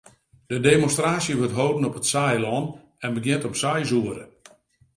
De demonstraasje wurdt hâlden op it Saailân en begjint om seis oere.